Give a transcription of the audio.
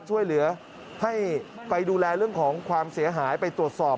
ช่วยเหลือให้ไปดูแลเรื่องของความเสียหายไปตรวจสอบ